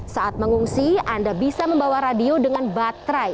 saat mengungsi anda bisa membawa radio dengan baterai